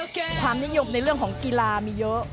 ความนิยมในเรื่องของกีฬามีเยอะ